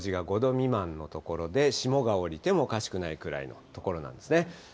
白い表示が５度未満の所で、霜が降りてもおかしくないくらいの所なんですね。